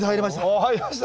おお入りました？